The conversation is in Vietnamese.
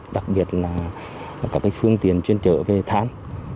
đặc biệt là các cái phương tiền chuyên trợ về thán